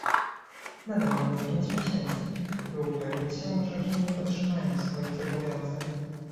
Nadal mamy pięć miesięcy, by upewnić się, że Chiny dotrzymają swoich zobowiązań